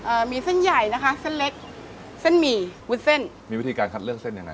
มีเส้นใหญ่นะคะเส้นเล็กเส้นหมี่วุ้นเส้นมีวิธีการคัดเลือกเส้นยังไง